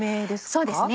そうですね